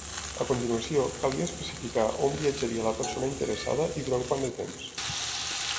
A continuació, calia especificar on viatjaria la persona interessada i durant quant de temps.